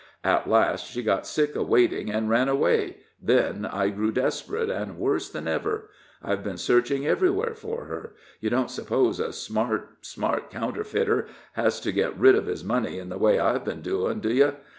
At last she got sick of waiting, and ran away then I grew desperate and worse than ever. I've been searching everywhere for her; you don't suppose a smart smart counterfeiter has to get rid of his money in the way I've been doing, do you?